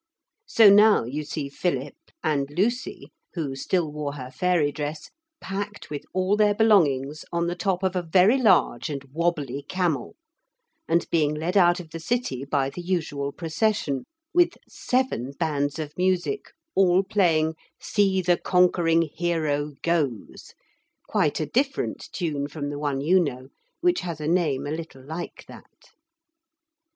....... So now you see Philip, and Lucy who still wore her fairy dress, packed with all their belongings on the top of a very large and wobbly camel, and being led out of the city by the usual procession, with seven bands of music all playing 'See the Conquering Hero goes,' quite a different tune from the one you know, which has a name a little like that.